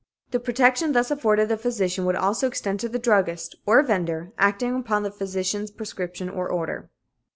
"The protection thus afforded the physician would also extend to the druggist, or vendor, acting upon the physician's prescription or order."